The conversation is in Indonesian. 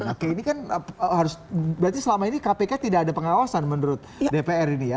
oke ini kan harus berarti selama ini kpk tidak ada pengawasan menurut dpr ini ya